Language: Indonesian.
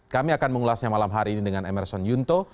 kami akan mengulasnya malam hari ini dengan emerson yunto